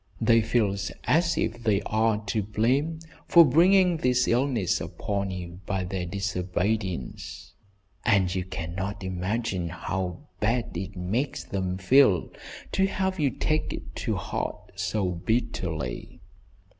They feel as if they are to blame for bringing this illness upon you by their disobedience, and you cannot imagine how bad it makes them feel to have you take it to heart so bitterly."